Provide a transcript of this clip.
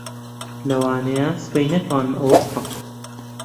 لەوانەیە سبەی نەتوانم ئەوە بکەم.